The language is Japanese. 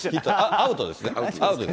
アウトですね。